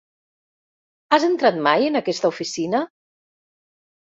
Has entrat mai en aquesta oficina?